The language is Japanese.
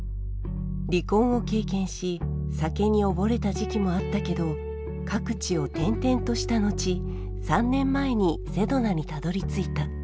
離婚を経験し酒に溺れた時期もあったけど各地を転々とした後３年前にセドナにたどりついた。